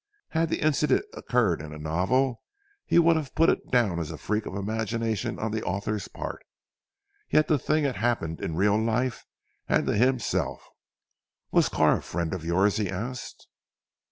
Had the incident occurred in a novel, he would have put it down as a freak of imagination on the author's part. Yet the thing had happened in real life and to himself. "Was Carr a friend of yours?" he asked.